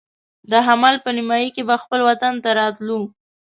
د حمل په نیمایي کې به خپل وطن ته راتلو.